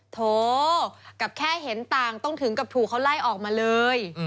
โถกับแค่เห็นต่างต้องถึงกับถูกเขาไล่ออกมาเลย